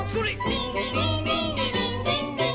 「リンリリンリンリリンリンリン」